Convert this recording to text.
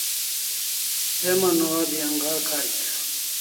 Heman o abi anghar karik